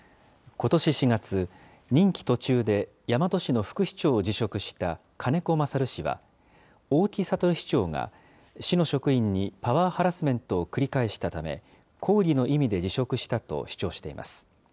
ことし４月、任期途中で大和市の副市長を辞職した金子勝氏は、大木哲市長が市の職員にパワーハラスメントを繰り返したため、抗議の意味で辞職したと主張しています。